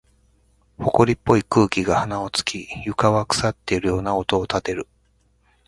埃っぽい空気が鼻を突き、床は腐っているような音を立てる。